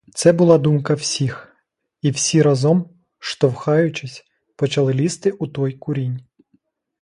Це була думка всіх — і всі разом, штовхаючись, почали лізти у той курінь.